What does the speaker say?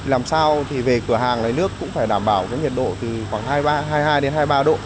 làm sao thì về cửa hàng này nước cũng phải đảm bảo nhiệt độ từ khoảng hai mươi hai đến hai mươi ba độ